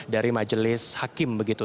dari majelis hakim begitu